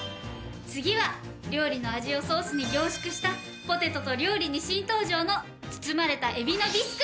次は料理の味をソースに凝縮した「ポテトと料理」に新登場の包まれた海老のビスク。